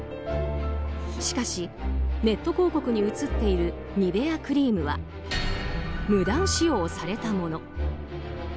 しかし、ネット広告に写っているニベアクリームは無断使用されたもの。